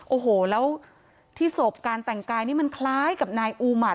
โอ้โหแล้วที่ศพการแต่งกายนี่มันคล้ายกับนายอูหมัด